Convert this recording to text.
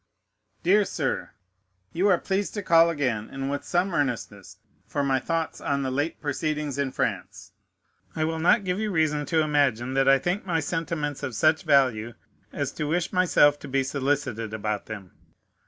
Dear Sir, You are pleased to call again, and with some earnestness, for my thoughts on the late proceedings in France. I will not give you reason to imagine that I think my sentiments of such value as to wish myself to be solicited about them.